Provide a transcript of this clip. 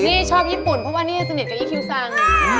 สิชอบญี่ปุ่นเพราะว่านี่สนิทจากอิคิวสัง